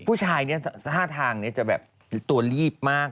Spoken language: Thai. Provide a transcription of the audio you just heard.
ผู้ชายเนี่ยท่าทางนี้จะแบบตัวรีบมาก